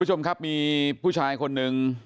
คุณผู้ชมครับมีผู้ชายคนหนึ่ง